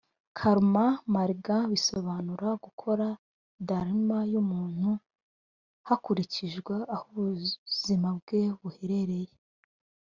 karma marga bisobanura gukora dharma y’umuntu hakurikijwe aho ubuzima bwe buherereye.